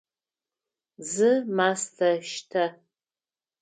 Зы мастэ штэ!